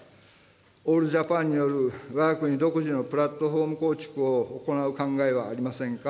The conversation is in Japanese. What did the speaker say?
オールジャパンによるわが国独自のプラットフォーム構築を行う考えはありませんか。